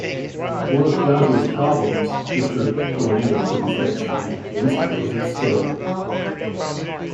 One of Piaggio's problems Mr. Colaninno couldn't fix from the inside was its scale.